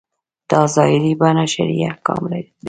دا ظاهري بڼه شرعي احکام دي.